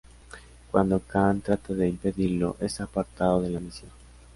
Cuando Khan trata de impedirlo, es apartado de la misión.